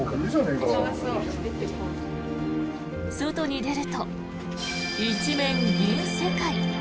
外に出ると一面銀世界。